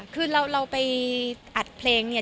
คือเราไปอัดเพลงเนี่ย